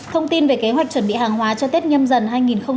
thông tin về kế hoạch chuẩn bị hàng hóa cho tết nhâm dần hai nghìn hai mươi